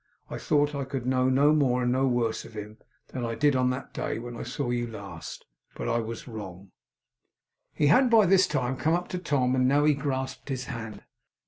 I thought I could know no more, and no worse, of him, than I did on that day when I saw you last. But I was wrong.' He had by this time come up to Tom, and now he grasped his hand.